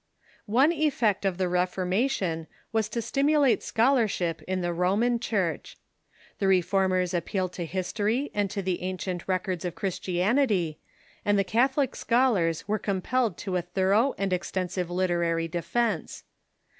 ] One effect of the Reformation Avas to stimulate scholarship in tlie Roman Church. The Reformers appealed to history and to the ancient records of Christianity, and Lhera^'c^uttll're ^^^® Catholic scholars were compelled to a thor ough and extensive literary defence.